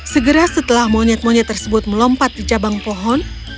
segera setelah monyet monyet tersebut melompat di cabang pohon